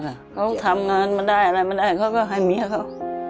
เขาทำงานมาได้อะไรมาได้เขาก็ให้เมียเขา